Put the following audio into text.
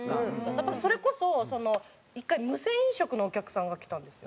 だからそれこそその１回無銭飲食のお客さんが来たんですよ。